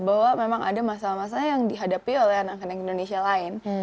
bahwa memang ada masalah masalah yang dihadapi oleh anak anak indonesia lain